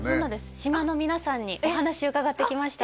島の皆さんにお話を伺ってきました